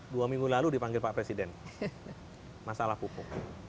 dua minggu lalu dipanggil pak presiden masalah pupuk